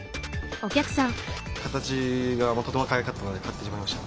形がとてもかわいかったので買ってしまいました。